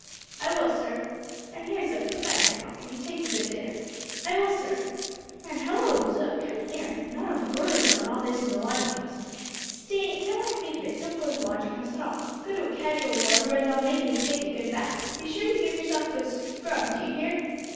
"I will, sir." "And here, Zook, put that in your pocket, and take a good dinner." "I will, sir." "And hallo! Zook, come here. Not a word about all this in the lodging house; stay, now I think of it, don't go to the lodging house at all. Go to a casual ward where they'll make you take a good bath. Be sure you give yourself a good scrub. D'ye hear?"